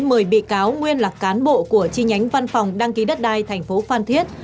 mời bị cáo nguyên lạc cán bộ của chi nhánh văn phòng đăng ký đất đai tp phan thiết